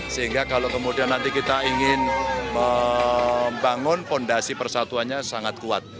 sehingga kalau kemudian nanti kita ingin membangun fondasi persatuannya sangat kuat